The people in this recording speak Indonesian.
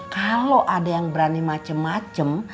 kalau ada yang berani macam macam